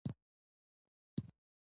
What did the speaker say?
او نوعیت باندې باید بحث وشي